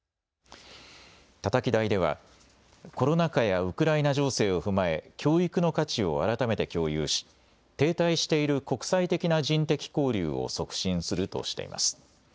たたき台ではコロナ禍やウクライナ情勢を踏まえ教育の価値を改めて共有し停滞している国際的な人的交流を促進するとしています。